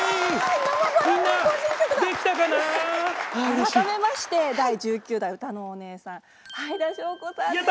改めまして第１９代歌のお姉さんはいだしょうこさんです。